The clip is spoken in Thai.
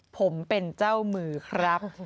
ผมเป็นเจ้ามือครับ